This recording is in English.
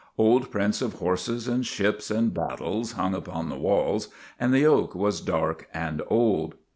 Old prints of horses and ships and battles hung upon the walls, and the oak was dark and old.